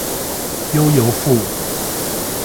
悠遊付